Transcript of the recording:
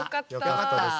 よかったです。